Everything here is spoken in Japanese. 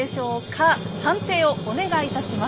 判定をお願いいたします。